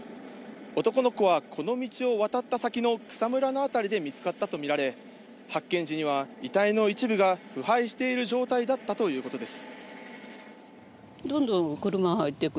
男の子はこの道を渡った先の草むらの辺りで見つかったと見られ、発見時には遺体の一部が腐敗している状態だったということです。